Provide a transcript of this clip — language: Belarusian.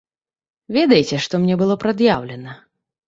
Ведаеце, што мне было прад'яўлена?